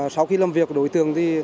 sau khi làm việc đối tượng thì